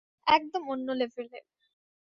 একদম অন্য লেভেলের।